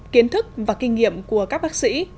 kiến thức và kinh nghiệm của các bác sĩ